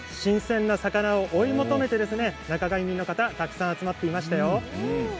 新鮮な魚を追い求めて魚がたくさん集まっていましたよ。